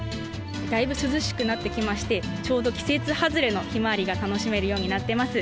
だいぶ涼しくなってきまして、ちょうど季節外れのひまわりが楽しめるようになってます。